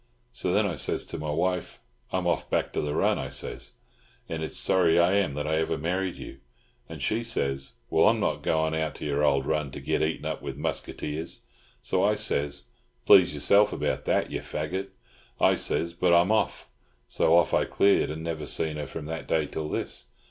So then I says to my wife, "I'm off back to the run," I says, "and it's sorry I am that ever I married you." And she says, "Well, I'm not goin' out to yer old run, to get eat up with musketeers." So says I, "Please yourself about that, you faggot," I says, "but I'm off." So off I cleared, and I never seen her from that day till this.